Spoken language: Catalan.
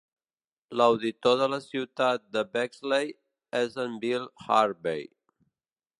L'auditor de la ciutat de Bexley és en Bill Harvey.